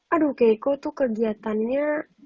aduh keiko tuh kegiatannya